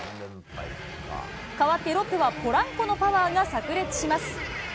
かわってロッテはポランコのパワーがさく裂します。